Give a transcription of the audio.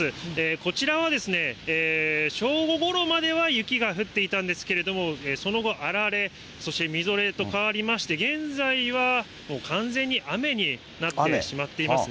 こちらは正午ごろまでは雪が降っていたんですけれども、その後あられ、そしてみぞれと変わりまして、現在は完全に雨になってしまっていますね。